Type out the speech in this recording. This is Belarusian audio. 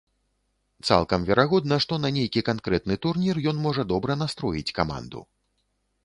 Цалкам верагодна, што на нейкі канкрэтны турнір ён можа добра настроіць каманду.